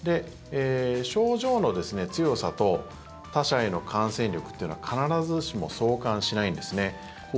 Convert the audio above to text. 症状の強さと他者への感染力というのは必ずしも相関しないんですね。